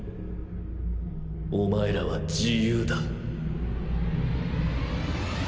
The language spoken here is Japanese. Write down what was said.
お前らは自由だ。